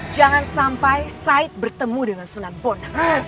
jangan sampai said bertemu dengan sunat bon